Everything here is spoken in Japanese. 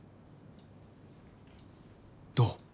どう？